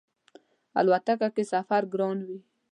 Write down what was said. الوتکه کی سفر ګران وی